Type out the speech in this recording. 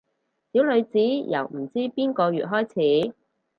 小女子由唔知邊個月開始